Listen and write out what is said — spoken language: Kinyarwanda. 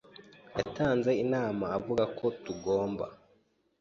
Yatanze inama avuga ko tugomba “